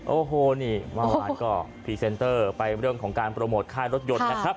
โอ้โหนี่เมื่อวานก็พรีเซนเตอร์ไปเรื่องของการโปรโมทค่ายรถยนต์นะครับ